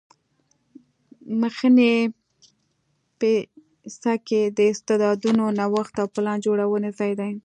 مخنی پیڅکی د استعدادونو نوښت او پلان جوړونې ځای دی